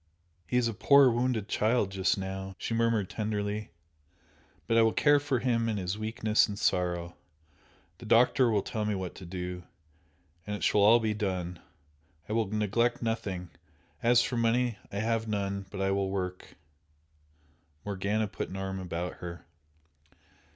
"He is a poor wounded child just now!" she murmured, tenderly "But I will care for him in his weakness and sorrow! The doctor will tell me what to do and it shall all be done! I will neglect nothing as for money, I have none but I will work " Morgana put an arm about her.